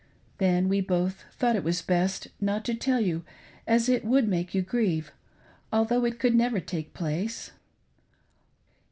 Then we both thought it was best not to tell you, as it would make you grieve, although it never could take place.